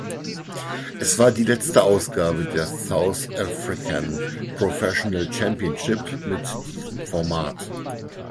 Es war die letzte Ausgabe der South African Professional Championship mit diesem Format.